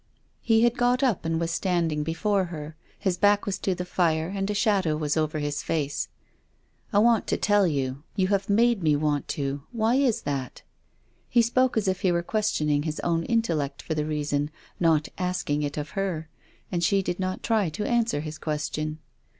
He had got up and was standing before her. His back was to the fire, and a shadow was over his face, " I want to tell you. You have made me want to. Why is that ?" He spoke as if he were questioning his own in tellect for the reason, not asking it of her. And she did not try to answer his question.